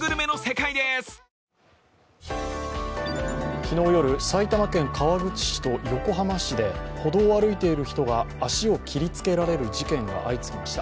昨日夜、埼玉県川口市と横浜市で歩道を歩いている人が足を切りつけられる事件が相次ぎました。